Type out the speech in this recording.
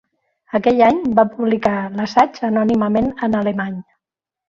Aquell any va publicar l'assaig anònimament en Alemany.